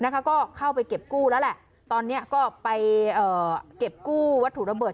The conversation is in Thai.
ก็เข้าไปเก็บกู้แล้วแหละตอนนี้ก็ไปเก็บกู้วัตถุระเบิด